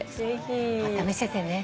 また見せてね。